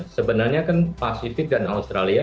sebenarnya kan pasifik dan australia